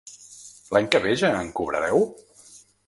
L'any que ve ja em cobrareu?